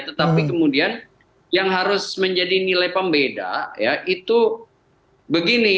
tetapi kemudian yang harus menjadi nilai pembeda ya itu begini